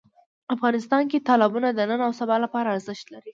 افغانستان کې تالابونه د نن او سبا لپاره ارزښت لري.